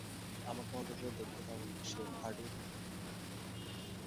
আমাকে অন্তত দেখতে দাও সে-- হার্ডিন!